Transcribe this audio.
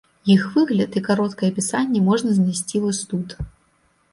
Іх выгляд і кароткае апісанне можна знайсці вось тут.